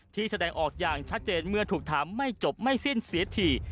แสดงออกอย่างชัดเจนเมื่อถูกถามไม่จบไม่สิ้นเสียที